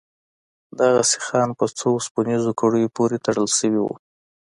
دغه سيخان په څو وسپنيزو کړيو پورې تړل سوي وو.